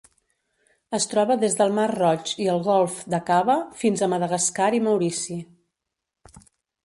Es troba des del Mar Roig i el Golf d'Aqaba fins a Madagascar i Maurici.